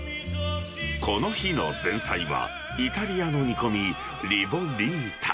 この日の前菜は、イタリアの煮込み、リボリータ。